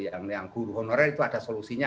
yang guru honorer itu ada solusinya